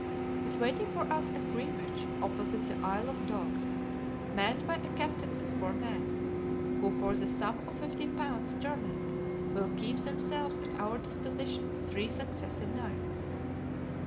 It is waiting for us at Greenwich, opposite the Isle of Dogs, manned by a captain and four men, who for the sum of fifty pounds sterling will keep themselves at our disposition three successive nights.